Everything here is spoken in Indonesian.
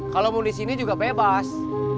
kalau mau di sini juga bebas